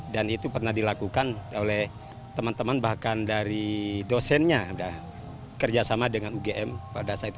dan itu pernah dilakukan oleh teman teman bahkan dari dosennya kerjasama dengan ugm pada saat itu